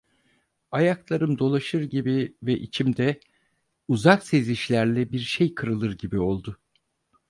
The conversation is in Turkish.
Ayaklarım dolaşır gibi ve içimde, uzak sezişlerle, bir şey kırılır gibi oldu.